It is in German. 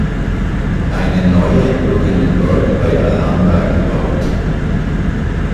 Eine neue wird in den Bergen bei al-Hamra gebaut.